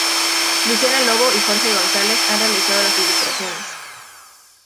Luciana Lobo y Jorge González han realizado las ilustraciones.